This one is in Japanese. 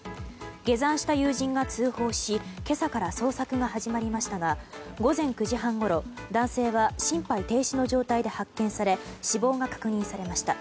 下山した友人が通報し今朝から捜索が始まりましたが午前９時半ごろ男性は心肺停止の状態で発見され死亡が確認されました。